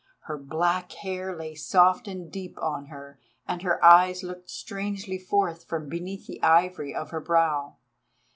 Her black hair lay soft and deep on her, and her eyes looked strangely forth from beneath the ivory of her brow.